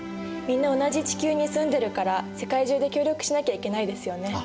みんな同じ地球に住んでるから世界中で協力しなきゃいけないですよね。